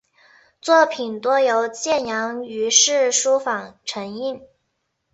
作品多由建阳余氏书坊承印。